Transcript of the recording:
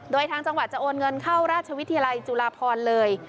โดยทางจังหวัดจะโอนเงินเข้าราชวิทยาลัยจุฬาพรเลย